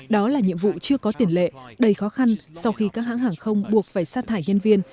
đó là nhiệm vụ chưa có tiền lệ đầy khó khăn sau khi các hãng hàng không buộc phải sát thải nhân viên